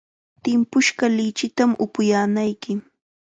Timpushqa lichitam upuyaanayki.